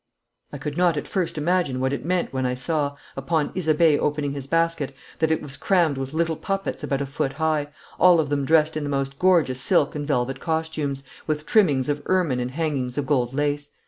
I could not at first imagine what it meant when I saw, upon Isabey opening his basket, that it was crammed with little puppets about a foot high, all of them dressed in the most gorgeous silk and velvet costumes, with trimmings of ermine and hangings of gold lace.